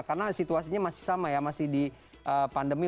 karena situasinya masih sama ya masih di pandemi